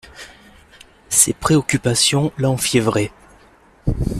Ses préoccupations l'enfiévraient.